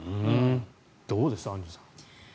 どうです、アンジュさん。